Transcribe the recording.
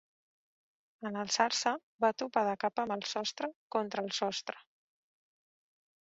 En alçar-se va topar de cap amb el sostre, contra el sostre.